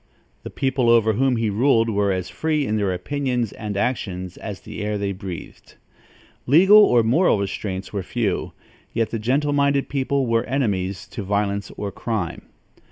The people over whom he ruled were as free in their opinions and actions as the air they breathed. Legal or moral restraints were few; yet the gentle minded people were enemies to violence or crime.